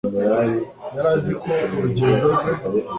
yari azi ko urugendo rwe